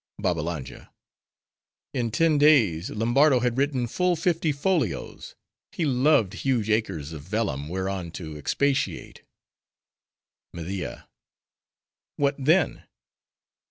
BABBALANJA—In ten days, Lombardo had written full fifty folios; he loved huge acres of vellum whereon to expatiate. MEDIA—What then?